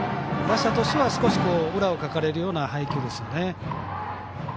打者としては少し裏をかかれるような配球ですね。